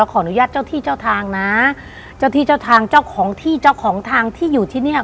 ขออนุญาตเจ้าที่เจ้าทางนะเจ้าที่เจ้าทางเจ้าของที่เจ้าของทางที่อยู่ที่เนี้ย